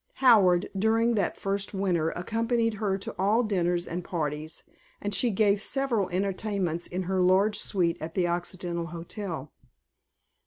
Howard, during that first winter, accompanied her to all the dinners and parties, and she gave several entertainments in her large suite at the Occidental Hotel.